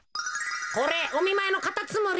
これおみまいのカタツムリ。